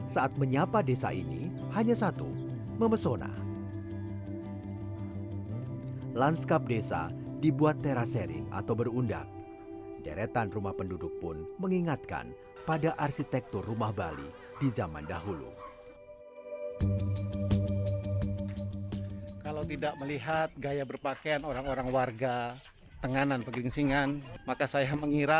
sampai jumpa di video selanjutnya